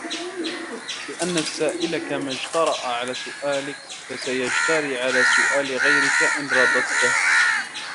لِأَنَّ السَّائِلَ كَمَا اجْتَرَأَ عَلَى سُؤَالِك فَسَيَجْتَرِئُ عَلَى سُؤَالِ غَيْرِك إنْ رَدَدْته